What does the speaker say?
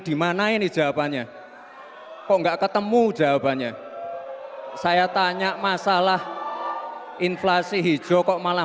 dimana ini jawabannya kok enggak ketemu jawabannya saya tanya masalah inflasi hijau kok malah